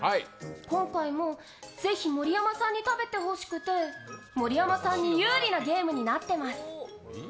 今回もぜひ盛山さんに食べてほしくて盛山さんに有利なゲームになってます。